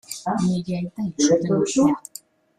Nire aita hil zuten urtea.